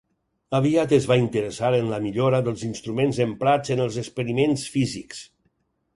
Aviat es va interessar en la millora dels instruments emprats en els experiments físics.